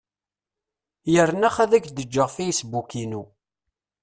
Yerna ax ad ak-d-ǧǧeɣ fasebbuk-inu.